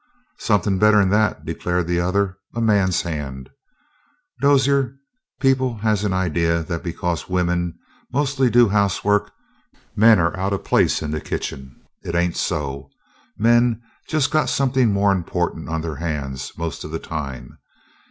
"Something better'n that," declared the other. "A man's hand, Dozier. People has an idea that because women mostly do housework men are out of place in a kitchen. It ain't so. Men just got somethin' more important on their hands most of the time."